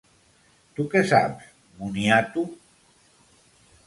Tu què saps, moniato?